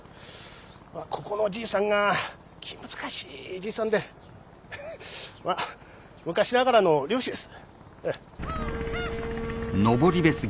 ここのじいさんが気難しいじいさんでまぁ昔ながらの漁師です